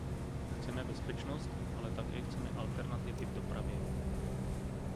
Chceme bezpečnost, ale také chceme alternativy v dopravě.